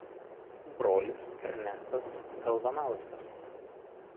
Brolis Ernestas Galvanauskas.